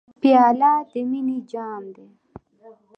پیاله د مینې جام ده.